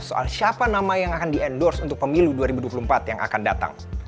soal siapa nama yang akan di endorse untuk pemilu dua ribu dua puluh empat yang akan datang